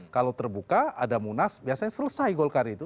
kalau terbuka ada munas biasanya selesai golkar itu